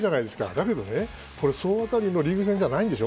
だけど、総当たりのリーグ戦じゃないんでしょ。